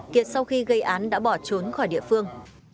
kiệt sau khi gây án đã bỏ trốn khỏi địa phương